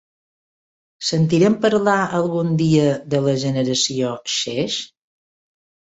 Sentirem parlar algun dia de la generació xeix?